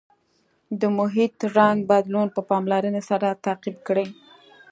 د محیط رنګ بدلون په پاملرنې سره تعقیب کړئ.